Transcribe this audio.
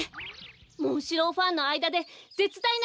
モンシローファンのあいだでぜつだいな